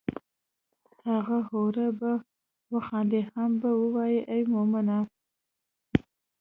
هغه حوره به وخاندي هم به وائي ای مومنه!